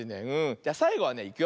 じゃさいごはねいくよ。